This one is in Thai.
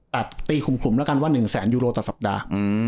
แต่ตีขุมแล้วกันว่า๑แสนยูโรต่อสัปดาห์